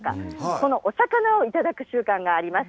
このお魚を頂く習慣があります。